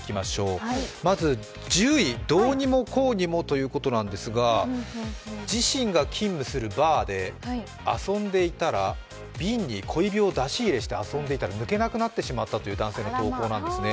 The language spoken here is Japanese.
まず１０位、どうにもこうにもということなんですが自身が勤務するバーで瓶に小指を出し入れしたら抜けなくなってしまったという男性の投稿なんですね。